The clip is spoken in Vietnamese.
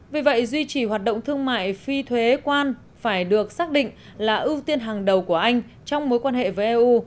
vì vậy duy trì hoạt động thương mại phi thuế quan phải được xác định là ưu tiên hàng đầu của anh trong mối quan hệ với eu